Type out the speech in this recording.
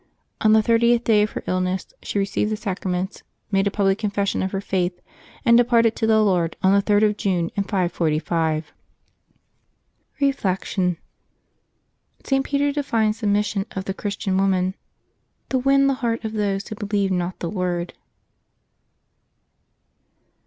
On the thirtieth day of her illness, she received the sacraments, made a public confession of her faith, and departed to the Lord on the 3d of June, in 545. Reflection. — St. Peter defines the mission of the Chris tian woman ; to win the heart of those who believe not the word.